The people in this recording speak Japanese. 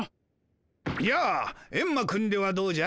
じゃあエンマくんではどうじゃ？